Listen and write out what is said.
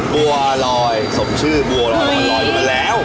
บัวลอยสมชื่อบัวลอยมันลอยขึ้นมาแล้ว